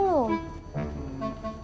ami li nyuruh orang teknis